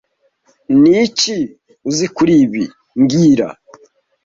Niki uzi kuri ibi mbwira